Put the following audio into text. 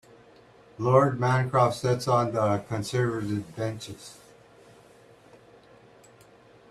Lord Mancroft sits on the Conservative benches.